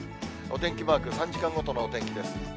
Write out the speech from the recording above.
お天気マーク、３時間ごとのお天気です。